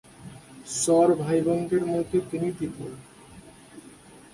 চর ভাই-বোনের মধ্যে তিনি তৃতীয়।